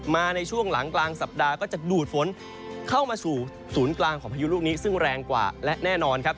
ในช่วงหลังกลางสัปดาห์ก็จะดูดฝนเข้ามาสู่ศูนย์กลางของพายุลูกนี้ซึ่งแรงกว่าและแน่นอนครับ